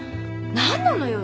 何なのよ